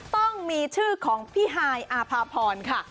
ต้องมีชื่อของพี่ฮายอาภาพรค่ะ